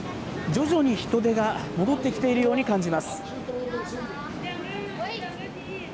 徐々に人出が戻ってきているように感じます。